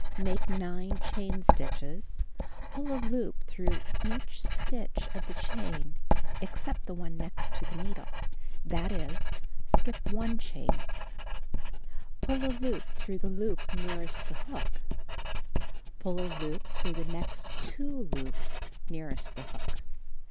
Make 9 chain stitches. Pull a loop through each stitch of the chain except the one next the needle. That is, skip one chain. See Cut 1, page 233. Pull a loop through the loop nearest the hook. Cut 2. Pull a loop through the next two loops nearest the hook.